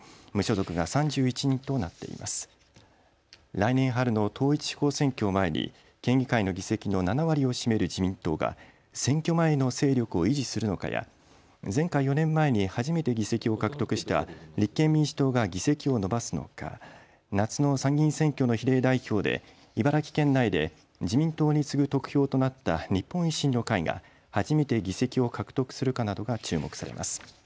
来年春の統一地方選挙を前に県議会の議席の７割を占める自民党が選挙前の勢力を維持するのかや、前回・４年前に初めて議席を獲得した立憲民主党が議席を伸ばすのか、夏の参議院選挙の比例代表で茨城県内で自民党に次ぐ得票となった日本維新の会が初めて議席を獲得するかなどが注目されます。